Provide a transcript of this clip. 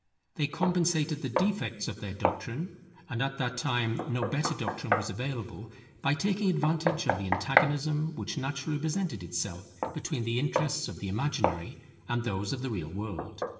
They compensated the defects of their doctrine, and at that time no better doctrine was available, by taking advantage of the antagonism which naturally presented itself between the interests of the imaginary and those of the real world.